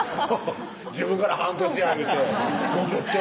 自分から「半年や」言うて「もうちょっと」